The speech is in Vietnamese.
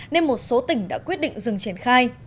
nên một số tỉnh đã quyết định dừng triển khai